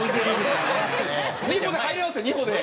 二歩で入れますよ二歩で！